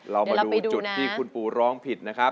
เรามาดูจุดที่คุณปูร้องผิดนะครับ